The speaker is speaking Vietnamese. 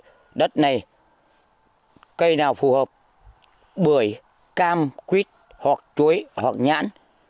cây đất này cây nào phù hợp bưởi cam quýt hoặc chuối hoặc nhãn